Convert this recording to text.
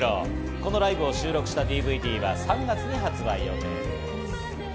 このライブを収録したＤＶＤは３月に発売予定です。